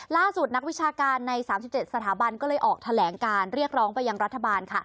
นักวิชาการใน๓๗สถาบันก็เลยออกแถลงการเรียกร้องไปยังรัฐบาล